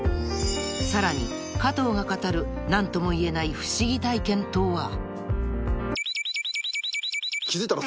［さらに加藤が語る何とも言えない不思議体験とは］